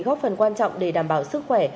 góp phần quan trọng để đảm bảo sức khỏe